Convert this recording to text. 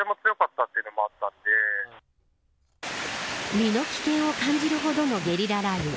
身の危険を感じるほどのゲリラ雷雨。